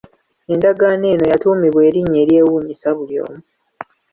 Endagaano eno yatuumibwa erinnya eryewuunyisa buli omu.